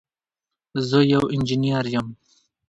زه یو انجنير یم.